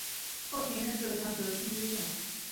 后官任浙江德清知县。